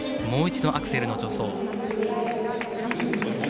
もう一度、アクセルの助走。